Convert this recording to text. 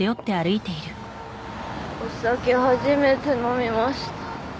お酒初めて飲みました